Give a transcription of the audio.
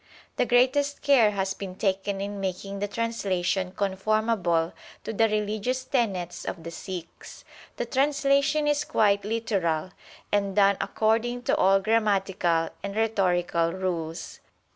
The greatest care has been taken in making the translation conformable to the religious tenets of the Sikhs. The translation is quite literal, and done according to all grammatical and rhetorical rules.